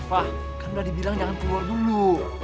eva kan udah dibilang jangan keluar dulu